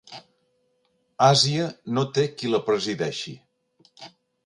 Àsia no té qui la presideixi.